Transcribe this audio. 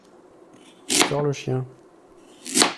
Sors le chien.